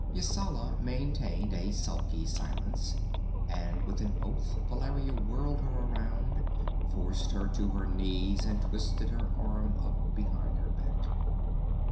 Yasala maintained a sulky silence, and with an oath Valeria whirled her around, forced her to her knees and twisted her arm up behind her back.